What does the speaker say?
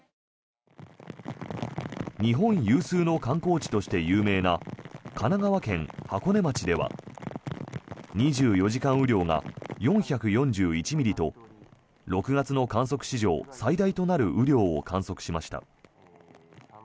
日本有数の観光地として有名な神奈川県箱根町では２４時間雨量が４４１ミリと６月の観測史上最大となる雨量を観測しました。